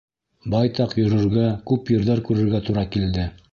Байтаҡ йөрөргә, күп ерҙәр күрергә тура килде.